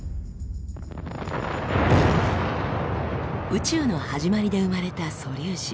宇宙の始まりで生まれた素粒子。